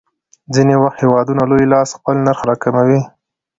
ځینې وخت هېوادونه لوی لاس خپل نرخ راکموي.